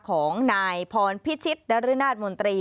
ของนายพรพิชิตนรนาศมนตรี